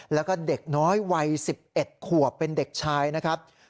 แล้วก็เด็กน้อยวัย๑๑ขวบเป็นเด็กชายนะครับ